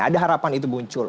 ada harapan itu muncul